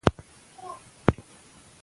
که پښتو وي، نو کلتوري غرور تل ثابت پاتېږي.